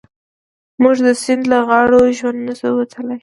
موږ د سيند له غاړو ژوندي نه شو وتلای.